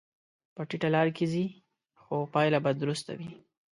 په ټیټه لار کې ځې، خو پایله به درسته وي.